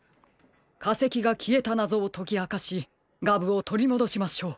かせきがきえたなぞをときあかしガブをとりもどしましょう。